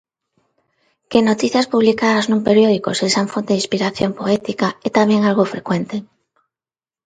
Que noticias publicadas nun periódico sexan fonte de inspiración poética é tamén algo frecuente.